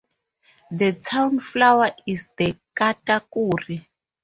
The town flower is the Katakuri.